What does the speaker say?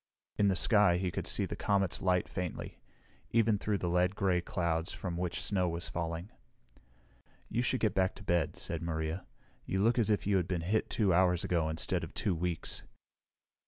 In the sky, he could see the comet's light faintly, even through the lead gray clouds from which snow was falling. "You should get back to bed," said Maria. "You look as if you had been hit two hours ago instead of two weeks."